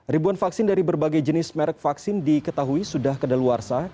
ribuan vaksin dari berbagai jenis merek vaksin diketahui sudah kedaluarsa